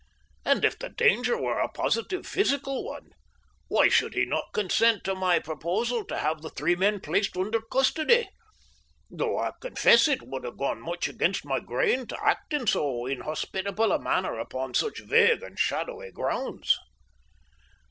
And if the danger were a positive physical one, why should he not consent to my proposal to have the three men placed under custody though I confess it would have gone much against my grain to act in so inhospitable a manner upon such vague and shadowy grounds.